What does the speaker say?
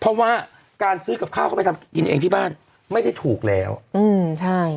เพราะว่าการซื้อกับข้าวเข้าไปทำกินเองที่บ้านไม่ได้ถูกแล้วอืมใช่